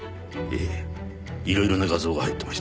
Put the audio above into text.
ええ色々な画像が入ってました。